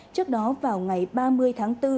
trước đó vào ngày ba mươi tháng bốn